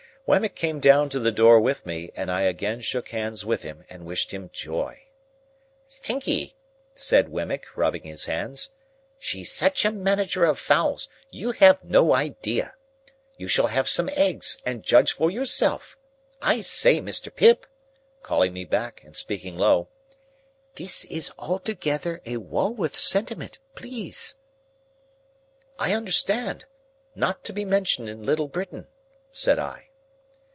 Wemmick came down to the door with me, and I again shook hands with him, and wished him joy. "Thankee!" said Wemmick, rubbing his hands. "She's such a manager of fowls, you have no idea. You shall have some eggs, and judge for yourself. I say, Mr. Pip!" calling me back, and speaking low. "This is altogether a Walworth sentiment, please." "I understand. Not to be mentioned in Little Britain," said I.